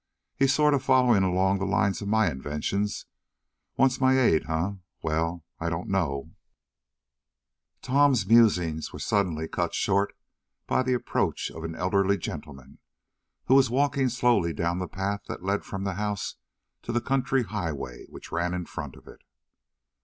He's sort of following along the lines of my inventions. Wants my aid hum well, I don't know " Tom's musings were suddenly cut short by the approach of an elderly gentleman, who was walking slowly down the path that led from the house to the country highway which ran in front of it.